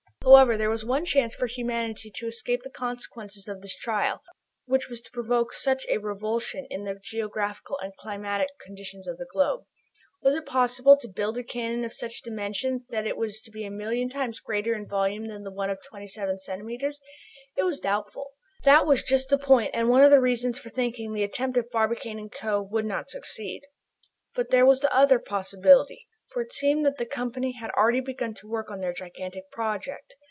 However, there was one chance for humanity to escape the consequences of this trial, which was to provoke such revulsions in the geographical and climatic conditions of the globe. Was it possible to build a cannon of such dimensions that it was to be a million times greater in volume than the one of 27 centimetres? It was doubtful. That was just the point and one of the reasons for thinking the attempt of Barbicane & Co. would not succeed. But there was the other possibility, for it seemed that the Company had already begun to work on their gigantic project.